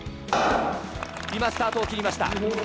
今、スタートを切りました。